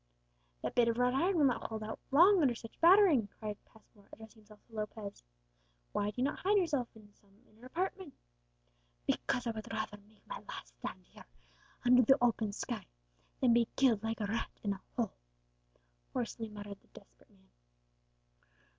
"That bit of wrought iron will not hold out long under such battering," cried Passmore, addressing himself to Lopez; "why do you not hide yourself in some inner apartment?" "Because I would rather make my last stand here, under the open sky, than be killed like a rat in a hole," hoarsely muttered the desperate man.